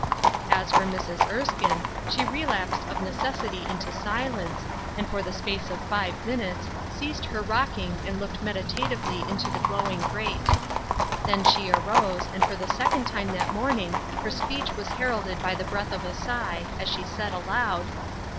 As for Mrs. Erskine, she relapsed of necessity into silence, and for the space of five minutes Bitter Herbs, 71 ceased her rocking and looked meditatively into the glowing grate. Then she arose, and for the second time that morning her speech was her alded by the breath of a sigh, as she said aloud